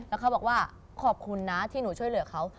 แล้วเขาบอกว่าขอบคุณนะที่หนูช่วยเหลือเขา